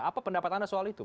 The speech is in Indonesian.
apa pendapat anda soal itu